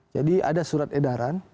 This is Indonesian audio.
jadi ada surat edaran